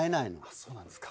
そうなんですか。